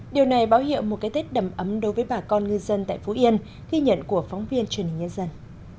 điều này báo hiệu một cái tết đầm ấm đối với bà con ngư dân tại phú yên ghi nhận của phóng viên truyền hình nhân dân